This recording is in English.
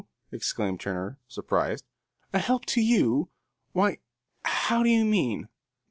exclaimed Turner, surprised. "A help to you? Why, how do you mean?"